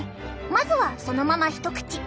まずはそのまま一口。